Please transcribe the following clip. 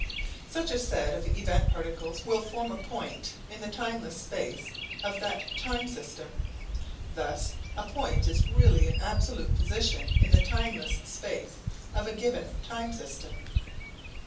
Such a set of event particles will form a point in the timeless space of that time system. Thus a point is really an absolute position in the timeless space of a given time system.